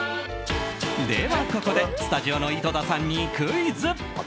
では、ここでスタジオの井戸田さんにクイズ！